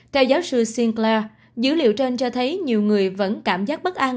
theo giáo sư sinclair dữ liệu trên cho thấy nhiều người vẫn cảm giác bất an